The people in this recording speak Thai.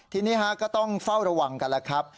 ทีนี้ก็ต้องเฝ้าระวังกันแล้วครับ